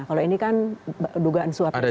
kalau ini kan dugaan suapnya sendiri